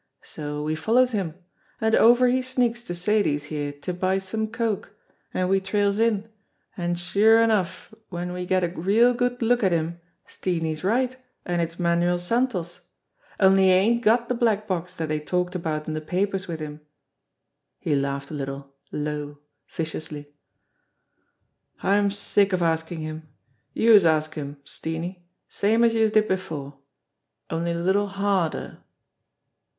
So we follows him. An' over he sneaks to Sadie's here to buy some coke, an' we trails in, an' sure enough w'en we gets a real good look at him Steenie's right an' it's Manuel Santos. Only he ain't got de black box dat dey talked about in de papers wid him." He laughed a little, low, viciously. "I'm sick of askin' him. Youse ask him, Steenie, same as youse did before only a little harder."